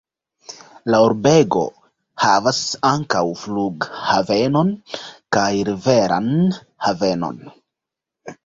La urbego havas ankaŭ flughavenon kaj riveran havenon.